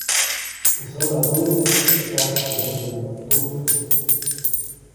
Teʼ soladuʼis jyaskädäjkäyuʼuŋ tujtäjk.